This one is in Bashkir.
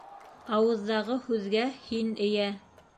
Ауыҙҙағы һүҙгә һин эйә